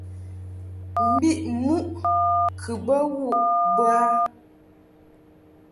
Mbiʼ muʼ kɨ bə wuʼ bə a .